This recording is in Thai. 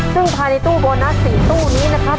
ซึ่งภายในตู้โบนัส๔ตู้นี้นะครับ